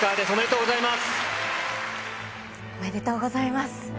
おめでとうございます。